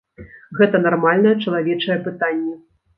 Гэта нармальнае чалавечае пытанне.